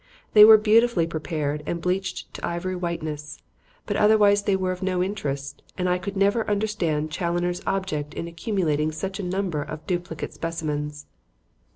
They were beautifully prepared and bleached to ivory whiteness, but otherwise they were of no interest, and I could never understand Challoner's object in accumulating such a number of duplicate specimens.